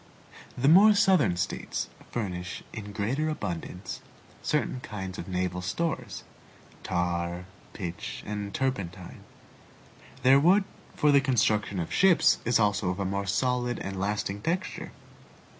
The more southern States furnish in greater abundance certain kinds of naval stores tar, pitch, and turpentine. Their wood for the construction of ships is also of a more solid and lasting texture.